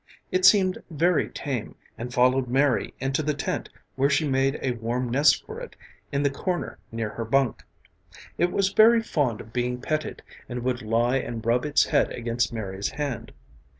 It seemed very tame and followed Mary into the tent where she made a warm nest for it in the corner near her bunk. It was very fond of being petted and would lie and rub its head against Mary's hand.